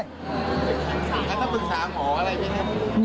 เอ่อต้องปรึกษาหมออะไรใช่ไหม